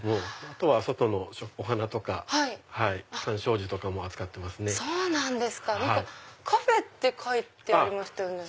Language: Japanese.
あとは外のお花とか鑑賞樹とかも扱ってますね。